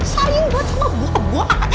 sayang banget sama buah dua